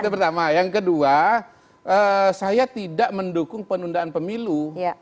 kedua saya tidak mendukung penundaan pemilu itu keliru besar itu saya tidak mendukung anda untuk